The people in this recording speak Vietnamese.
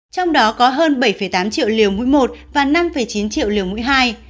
trong đó có hơn bảy tám triệu liều mũi một và năm chín triệu liều mũi hai